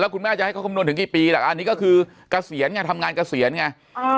คุณแม่จะให้เขาคำนวณถึงกี่ปีล่ะอันนี้ก็คือเกษียณไงทำงานเกษียณไง